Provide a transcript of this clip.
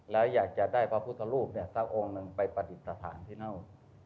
และอยากจะได้พระพุทธรูปฑักวงไปปราถิตฐานที่นอก